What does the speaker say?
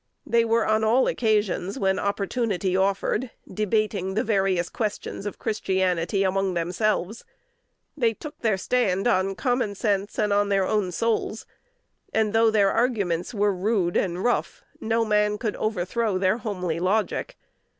They were on all occasions, when opportunity offered, debating the various questions of Christianity among themselves: they took their stand on common sense and on their own souls; and, though their arguments were rude and rough, no man could overthrow their homely logic.